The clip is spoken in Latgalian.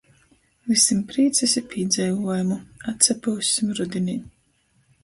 Vysim prīcys i pīdzeivuojumu! Atsapyussim rudinī...